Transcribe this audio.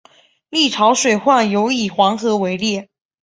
历朝水患尤以黄河为烈。